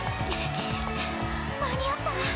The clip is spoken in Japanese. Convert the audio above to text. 間に合った！